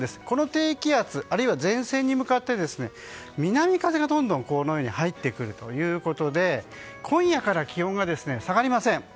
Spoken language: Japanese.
低気圧、あるいは前線に向かい南風がどんどん入ってくるということで今夜から気温が下がりません。